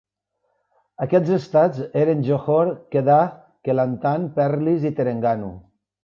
Aquests estats eren Johor, Kedah, Kelantan, Perlis i Terengganu.